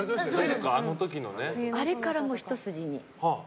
あれからもうひと筋に。